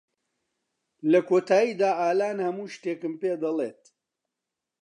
لە کۆتاییدا، ئالان هەموو شتێکم پێدەڵێت.